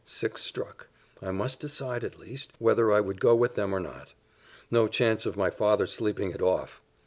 Six struck; I must decide at least, whether I would go with them or not. No chance of my father sleeping it off!